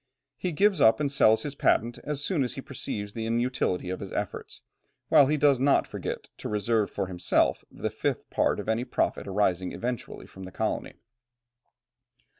He gives up and sells his patent as soon as he perceives the inutility of his efforts, while he does not forget to reserve for himself the fifth part of any profit arising eventually from the colony.